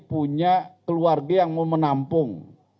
punya keluarga yang mau menampung